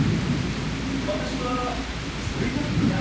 私はそれがいいな。